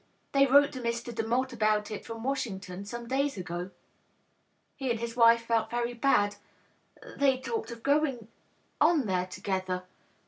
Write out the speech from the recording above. They wrote to Mr. Demotte about it from Washington, some days ago. He and his wife felt very bad. They talked of going on there together.